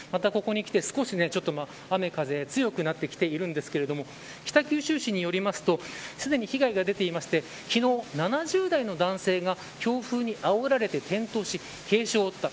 また、ここにきて、少し雨風強くなってきているんですが北九州市によりますとすでに被害が出ていまして昨日、７０代の男性が強風にあおられて転倒し軽傷を負った。